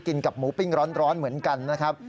กับหมูปิ้งร้อนเหมือนกันนะครับ